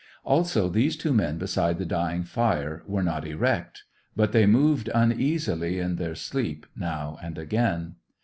Also, these two men beside the dying fire were not erect. But they moved uneasily in their sleep now and again.